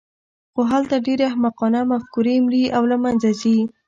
خو هلته ډېرې احمقانه مفکورې مري او له منځه ځي.